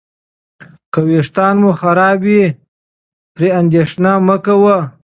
که ویښتان مو خراب وي، پرې اندېښنه مه کوه.